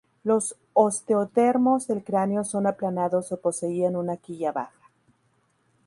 Los osteodermos del cráneo son aplanados o poseían una quilla baja.